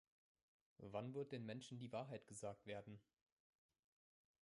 Wann wird den Menschen die Wahrheit gesagt werden?